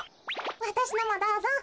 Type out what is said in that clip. わたしのもどうぞ。